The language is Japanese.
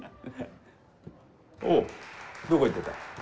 おうどこ行ってた？